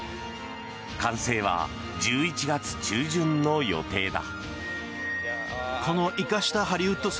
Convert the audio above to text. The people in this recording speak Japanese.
完成は１１月中旬の予定だ。